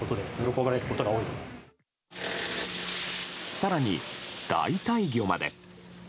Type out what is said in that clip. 更に、代替魚まで。